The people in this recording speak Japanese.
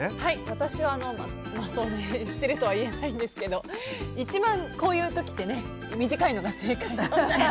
私は、掃除しているとは言えないんですけど一番こういう時って短いのが正解なので。